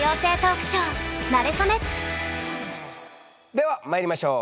ではまいりましょう！